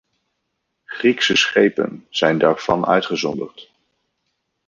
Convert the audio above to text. Griekse schepen zijn daarvan uitgezonderd.